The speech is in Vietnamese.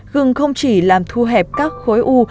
gừng không chỉ làm thu hẹp các khối u